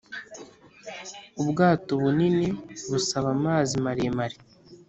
ubwato bunini busaba amazi maremare.